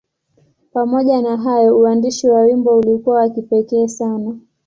Pamoja na hayo, uandishi wa wimbo ulikuwa wa kipekee sana.